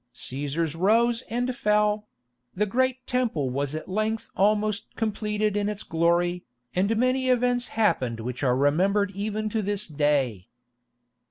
Cæsars rose and fell; the great Temple was at length almost completed in its glory, and many events happened which are remembered even to this day.